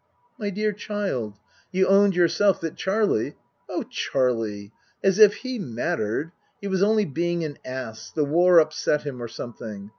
" My dear child, you owned yourself that Charlie "" Oh Charlie ! As if he mattered ! He was only being an ass the war upset him, or something.